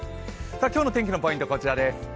今日の天気のポイントはこちらです。